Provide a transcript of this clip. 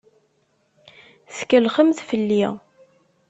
Tkellxemt fell-i.